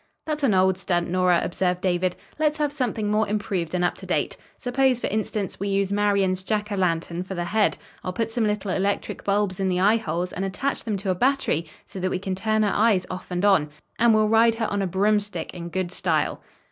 "That's an old stunt, Nora," observed David. "Let's have something more improved and up to date. Suppose, for instance, we use Marian's Jack o' lantern for the head. I'll put some little electric bulbs in the eye holes and attach them to a battery so that we can turn her eyes off and on. And we'll ride her on a broomstick in good style."